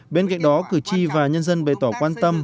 bên cạnh đó cử tri và nhân dân bày tỏ quan tâm